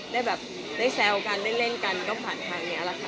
ได้แบบได้แซวกันได้เล่นกันก็ผ่านทางนี้แหละค่ะ